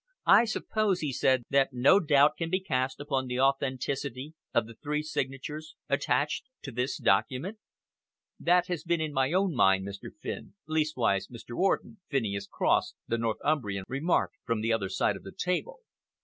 "I suppose," he said, "that no doubt can be cast upon the authenticity of the three signatures attached to this document?" "That's been in my own mind, Mr. Fiske leastwise, Mr. Orden," Phineas Cross, the Northumbrian, remarked, from the other side of the table.